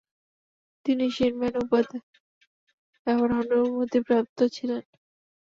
তিনি শীনম্যান উপাধি ব্যবহারে অনুমতিপ্রাপ্ত ছিলেন।